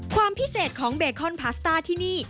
ความพิเศษของเบคอนพาสต้าที่นี่